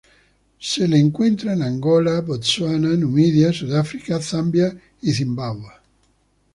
Se lo encuentra en Angola, Botsuana, Namibia, Sudáfrica, Zambia, y Zimbabwe.